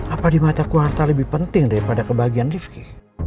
apa di mataku harta lebih penting daripada kebahagiaan rifqi